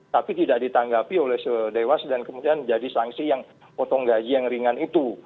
tapi tidak ditanggapi oleh dewas dan kemudian jadi sanksi yang potong gaji yang ringan itu